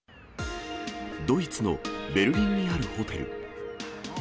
ドイツのベルリンにあるホテル。